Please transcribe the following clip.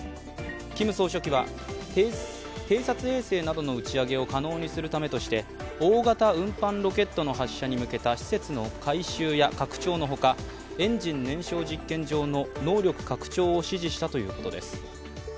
キム総書記は偵察衛星などの打ち上げを可能にするためとして大型運搬ロケットの発射に向けた施設の改修や拡張のほかエンジン燃焼実験場の能力拡張を指示したということです。